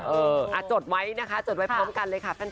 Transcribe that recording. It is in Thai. จดไว้นะคะจดไว้พร้อมกันเลยค่ะ